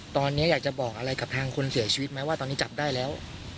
ตอนนี้อยากจะบอกอะไรกับทางคนเสียชีวิตไหมว่าตอนนี้จับได้แล้ว